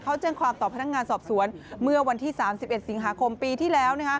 เขาแจ้งความต่อพนักงานสอบสวนเมื่อวันที่๓๑สิงหาคมปีที่แล้ว